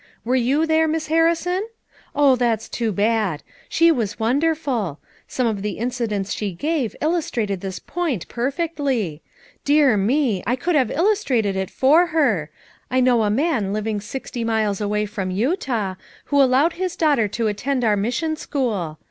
Were you there, Miss Harrison? Oh, that's too bad; she was wonderful! some of the incidents she gave illustrated this point perfectly. Dear me I I could have illustrated it for her. I know a man living sixty miles away from Utali, who allowed his daughter to attend our mission school.